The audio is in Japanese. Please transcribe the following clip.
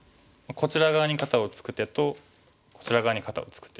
こちら側に肩をツク手とこちら側に肩をツク